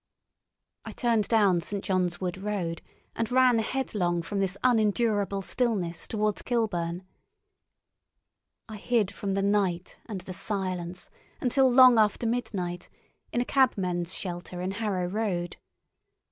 I turned down St. John's Wood Road, and ran headlong from this unendurable stillness towards Kilburn. I hid from the night and the silence, until long after midnight, in a cabmen's shelter in Harrow Road.